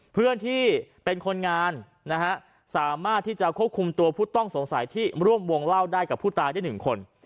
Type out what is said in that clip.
เพื่อนที่เป็นคนงานนะฮะสามารถที่จะควบคุมตัวผู้ต้องสงสัยที่ร่วมวงเล่าได้กับผู้ตายได้๑คน